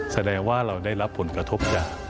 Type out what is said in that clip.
แสดงว่าเราได้รับผลกระทบจาก